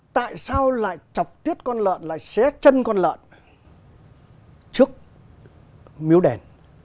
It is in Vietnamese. tại sao lại chọc tiết con lợn lại xé chân con lợn trước miếu đèn